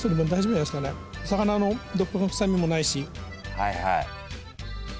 はいはい。